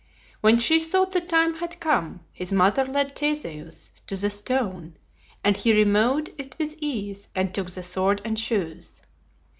When she thought the time had come, his mother led Theseus to the stone, and he removed it with ease and took the sword and shoes.